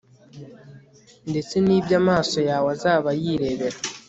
ndetse n'ibyo amaso yawe azaba yirebera